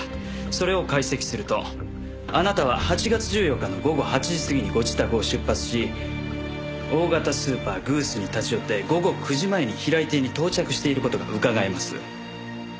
それを解析するとあなたは８月１４日の午後８時過ぎにご自宅を出発し大型スーパーグースに立ち寄って午後９時前に平井邸に到着している事がうかがえます。